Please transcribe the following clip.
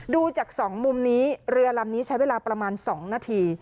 ดูจาก๒มุมนี้เรือลำนี้ใช้เวลาประมาณ๒นาที